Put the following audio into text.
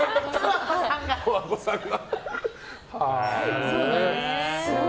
十和子さんが。